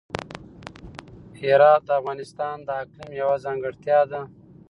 هرات د افغانستان د اقلیم یوه ځانګړتیا ده.